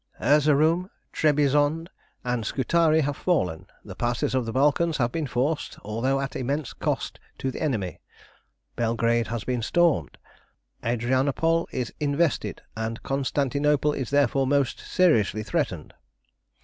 "Erzeroum, Trebizond, and Scutari have fallen; the passes of the Balkans have been forced, although at immense cost to the enemy; Belgrade has been stormed; Adrianople is invested, and Constantinople is therefore most seriously threatened.